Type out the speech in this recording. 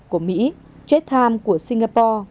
của mỹ trade times của singapore